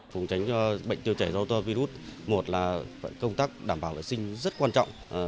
phùng tránh cho bệnh tiêu chảy rota virus một là công tác đảm bảo vệ sinh rất quan trọng